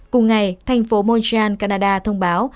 cùng ngày thành phố montreal canada thông báo